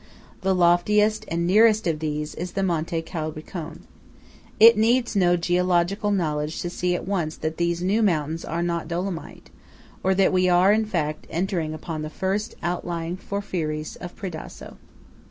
The loftiest and nearest of these is the Monte Colbricon. It needs no geological knowledge to see at once that these new mountains are not Dolomite; or that we are, in fact, entering upon the first outlying porphyries of Predazzo.